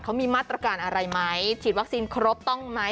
เขามีมาตรการอะไรไหมฉีดวัคซีนครบต้องไหม